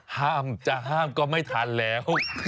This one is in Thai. ห้ามจะห้ามก็ไม่ทันแล้ว